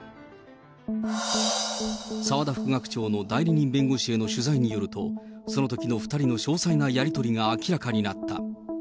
澤田副学長の代理人弁護士への取材によると、そのときの２人の詳細なやり取りが明らかになった。